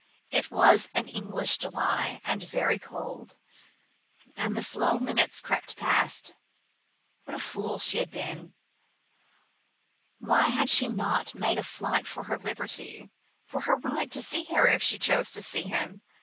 It was an English July, and very cold. And the slow minutes crept past. What a fool she had been! Why had she not made a fight for her liberty for her right to see Harry if she chose to see him?